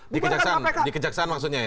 di kejaksaan maksudnya ya